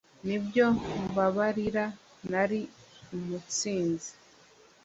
Nibyo mbabarira nari umutsinzi